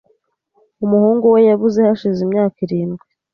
Umuhungu we yabuze hashize imyaka irindwi .